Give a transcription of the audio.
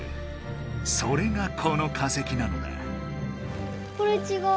それがこの化石なのだ。